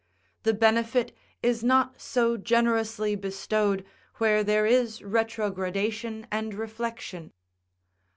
The benefit is not so generously bestowed, where there is retrogradation and reflection.